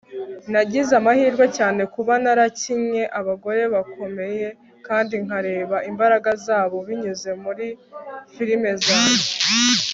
nagize amahirwe cyane kuba narakinnye abagore bakomeye kandi nkareba imbaraga zabo binyuze muri firime zanjye